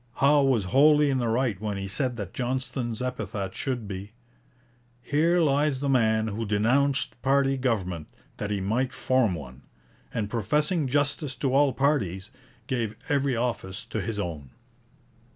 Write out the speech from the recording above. Howe was wholly in the right when he said that Johnston's epitaph should be, 'Here lies the man who denounced party government, that he might form one; and professing justice to all parties, gave every office to his own.'